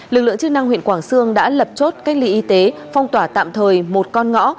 lực lượng chức năng huyện quảng sương đã lập chốt cách ly y tế phong tỏa tạm thời một con ngõ